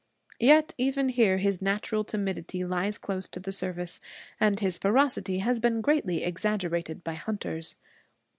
Yet even here his natural timidity lies close to the surface, and his ferocity has been greatly exaggerated by hunters.